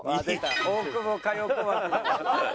大久保佳代子枠。